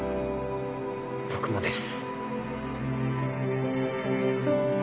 僕もです。